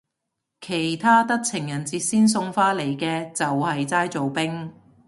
其他得情人節先送花嚟嘅就係齋做兵